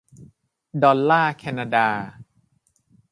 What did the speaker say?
ดอลลาร์แคนาดา